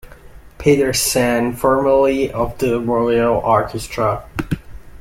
Petersen, formerly of the Royal Orchestra.